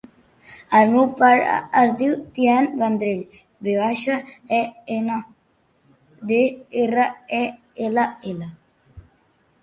El meu pare es diu Tian Vendrell: ve baixa, e, ena, de, erra, e, ela, ela.